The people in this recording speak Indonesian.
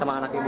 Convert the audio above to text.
sama anak ibu